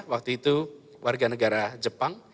waktu itu warga negara jepang